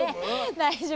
大丈夫？